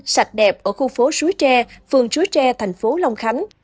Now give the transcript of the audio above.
sạch đẹp ở khu phố súi tre phường súi tre thành phố long khánh